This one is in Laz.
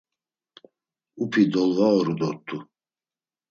Upi dolvaoru dort̆u.